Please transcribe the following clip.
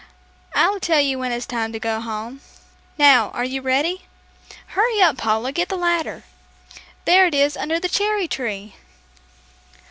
"I'll tell you when it's time to go home. Now are you ready? Hurry up, Paula, get the ladder. There it is, under the cherry tree!"